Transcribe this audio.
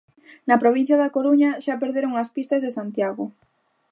Na provincia da Coruña xa perderon as pistas de Santiago.